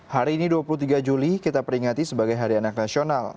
hari ini dua puluh tiga juli kita peringati sebagai hari anak nasional